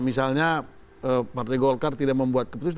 misalnya partai golkar tidak membuat keputusan